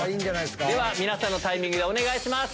では皆さんのタイミングでお願いします。